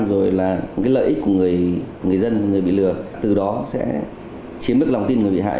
cái lợi ích của người dân người bị lừa từ đó sẽ chiếm bức lòng tin người bị hại